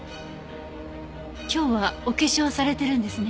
今日はお化粧されてるんですね。